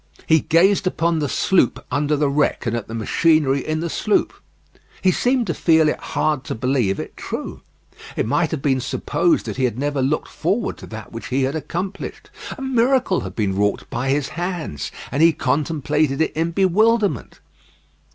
He gazed upon the sloop under the wreck and at the machinery in the sloop. He seemed to feel it hard to believe it true. It might have been supposed that he had never looked forward to that which he had accomplished. A miracle had been wrought by his hands, and he contemplated it in bewilderment.